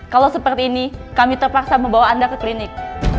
kalau seperti ini kami terpaksa membawa anda ke klinik